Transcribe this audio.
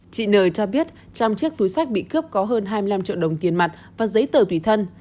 chị n t y n trong chiếc túi sách bị cướp có hơn hai mươi năm triệu đồng tiền mặt và giấy tờ tùy thân